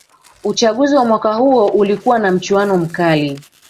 uchaguzi wa mwaka huo ulikuwa na mchuano mkali